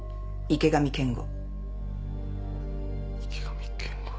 池上健吾。